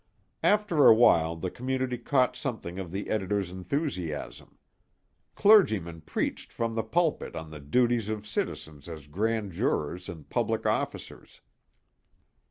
After awhile the community caught something of the editor's enthusiasm. Clergymen preached from the pulpit on the duties of citizens as Grand Jurors and public officers.